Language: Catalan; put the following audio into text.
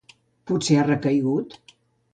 «Potser ha recaigut».